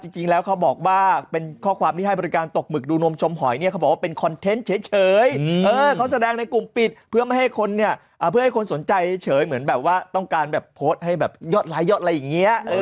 จริงแล้วเขาบอกว่าเป็นข้อความที่ให้บริการตกหมึกดูนมชมหอยเนี่ยเขาบอกว่าเป็นคอนเทนต์เฉยเขาแสดงในกลุ่มปิดเพื่อไม่ให้คนเนี่ยเพื่อให้คนสนใจเฉยเหมือนแบบว่าต้องการแบบโพสต์ให้แบบยอดไลคยอดอะไรอย่างนี้